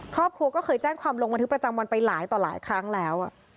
ครอบครัวก็เคยแจ้งความลงบันทึกประจำวันไปหลายต่อหลายครั้งแล้ว